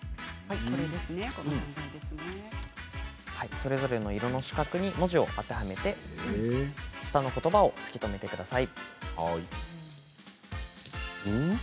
それぞれの色の四角に文字を当てはめて、下のことばを突き止めてください。